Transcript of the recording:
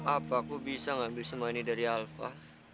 apa aku bisa ngambil semua ini dari alva